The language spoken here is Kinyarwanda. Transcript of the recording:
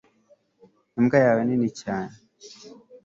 imbwa yawe nini cyane